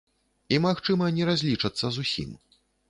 І, магчыма, не разлічацца зусім.